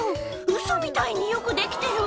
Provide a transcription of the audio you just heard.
ウソみたいによく出来てる。